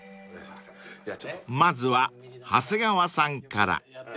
［まずは長谷川さんから］